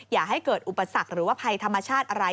อย่าให้เกิดอุปสรรคหรือว่าภัยธรรมชาติอะไร